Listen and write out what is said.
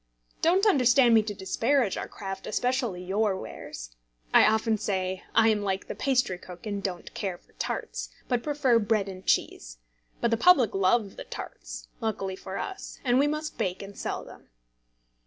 Don't understand me to disparage our craft, especially your wares. I often say I am like the pastrycook, and don't care for tarts, but prefer bread and cheese; but the public love the tarts (luckily for us), and we must bake and sell them.